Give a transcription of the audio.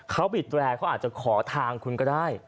เขาบีบแตรกอาจจะขอทางคุณก็ได้